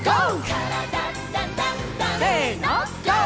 「からだダンダンダン」せのＧＯ！